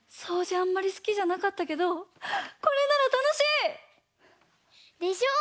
あんまりすきじゃなかったけどこれならたのしい！でしょう？